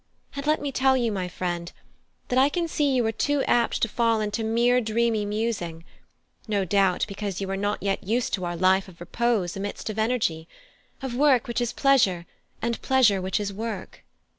And let me tell you, my friend, that I can see you are too apt to fall into mere dreamy musing: no doubt because you are not yet used to our life of repose amidst of energy; of work which is pleasure and pleasure which is work."